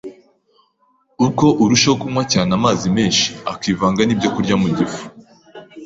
Uko urushaho kunywa cyane amazi menshi akivanga n’ibyokurya mu gifu,